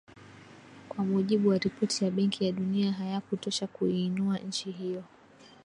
Kwa mujibu wa ripoti ya Benki ya Dunia hayakutosha kuiinua nchi hiyo